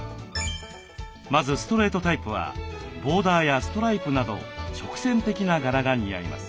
まずストレートタイプはボーダーやストライプなど直線的な柄が似合います。